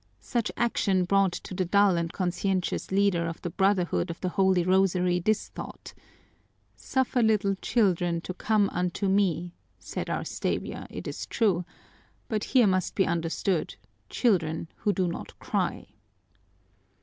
Such action brought to the dull and conscientious leader of the Brotherhood of the Holy Rosary this thought: "'Suffer little children to come unto me,' said Our Savior, it is true, but here must be understood, children who do not cry."